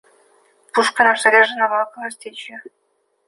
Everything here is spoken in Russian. Пушка наша заряжена была картечью.